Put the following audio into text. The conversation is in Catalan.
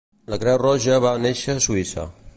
La Creu Roja va néixer a Suïssa.